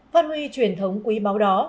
phát huy truyền thống quý báo đó